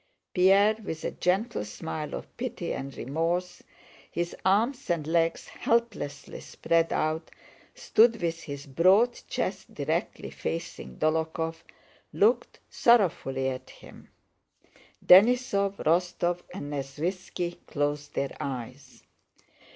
Pierre, with a gentle smile of pity and remorse, his arms and legs helplessly spread out, stood with his broad chest directly facing Dólokhov and looked sorrowfully at him. Denísov, Rostóv, and Nesvítski closed their eyes.